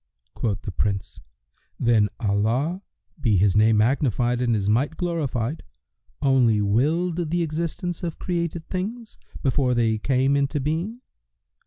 Quoth the Prince, "Then Allah (be His name magnified and His might glorified!) only willed the existence of created things, before they came into being?"